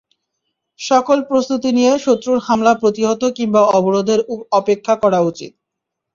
সকল প্রস্তুতি নিয়ে শত্রুর হামলা প্রতিহত কিংবা অবরোধের অপেক্ষা করা উচিত।